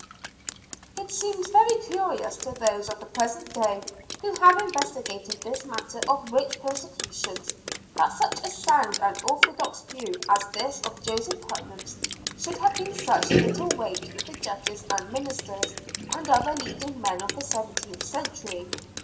It seems very curious to those of the present day who have investigated this matter of witch persecutions, that such a sound and orthodox view as this of Joseph Putnam's should have had such little weight with the judges and ministers and other leading men of the seventeenth century.